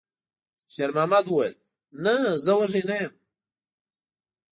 شېرمحمد وویل: «نه، زه وږی نه یم.»